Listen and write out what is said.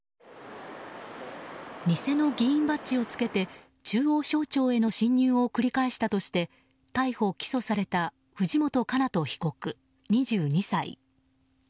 偽の議員バッジをつけて中央省庁への侵入を繰り返したとして逮捕・起訴された藤本叶人被告、２２歳。